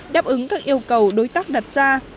đáp ứng các yêu cầu đối tác đặt ra